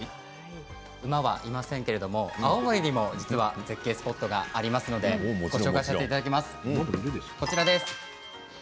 馬はいませんけれども青森には実は絶景スポットがありますのでご紹介させていただきます。